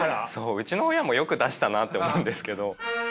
うちの親もよく出したなって思うんですけど。